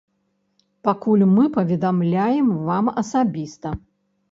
Пакуль мы паведамляем вам асабіста.